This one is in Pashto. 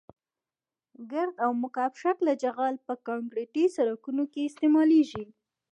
ګرد او مکعب شکله جغل په کانکریټي سرکونو کې استعمالیږي